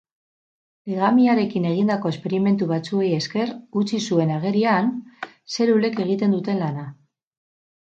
Legamiarekin egindako esperimentu batzuei esker utzi zuen agerian zelulek egiten duten lana.